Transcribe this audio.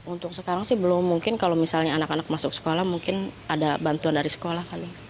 untuk sekarang sih belum mungkin kalau misalnya anak anak masuk sekolah mungkin ada bantuan dari sekolah kali